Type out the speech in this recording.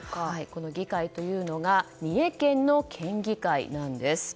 この議会というのが三重県の県議会なんです。